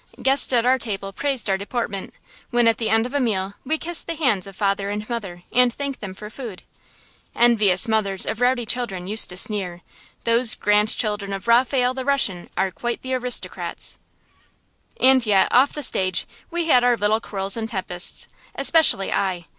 Guests at our table praised our deportment, when, at the end of a meal, we kissed the hands of father and mother and thanked them for food. Envious mothers of rowdy children used to sneer, "Those grandchildren of Raphael the Russian are quite the aristocrats." [Illustration: MY FATHER'S PORTRAIT] And yet, off the stage, we had our little quarrels and tempests, especially I.